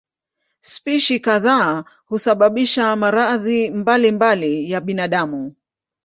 Spishi kadhaa husababisha maradhi mbalimbali ya binadamu.